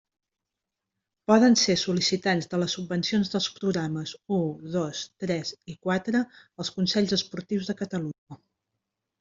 Poden ser sol·licitants de les subvencions dels programes u, dos, tres i quatre els consells esportius de Catalunya.